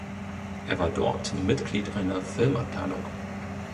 Er war dort Mitglied einer Filmabteilung.